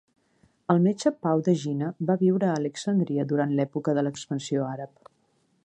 El metge Pau d'Egina va viure a Alexandria durant l'època de l'expansió àrab.